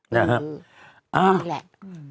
นี่แหละ